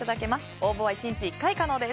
応募は１日１回可能です。